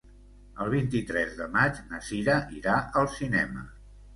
El vint-i-tres de maig na Cira irà al cinema.